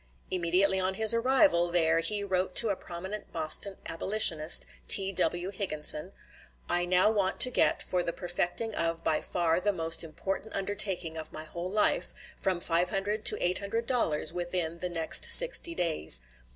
Immediately on his arrival there he wrote to a prominent Boston abolitionist, T.W. Higginson: "I now want to get, for the perfecting of by far the most important undertaking of my whole life, from $500 to $800 within the next sixty days.